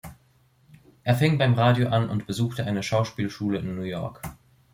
Er fing beim Radio an und besuchte eine Schauspielschule in New York.